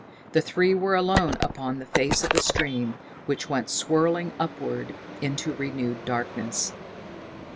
The three were alone upon the face of the stream, which went swirling upward into renewed darkness.